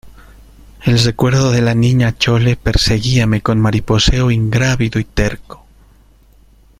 el recuerdo de la Niña Chole perseguíame con mariposeo ingrávido y terco.